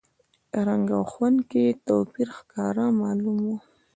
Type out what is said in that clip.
رنګ او خوند کې یې توپیر ښکاره معلوم و.